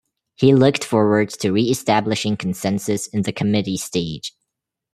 He looked forward to re-establishing consensus in the committee stage.